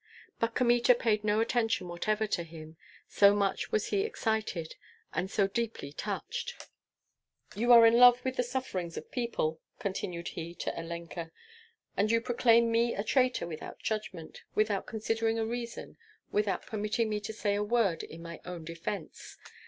But Kmita paid no attention whatever to him, so much was he excited, and so deeply touched. "You are in love with the sufferings of people," continued he to Olenka, "and you proclaim me a traitor without judgment, without considering a reason, without permitting me to say a word in my own defence.